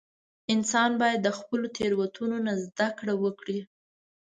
• انسان باید د خپلو تېروتنو نه زده کړه وکړي.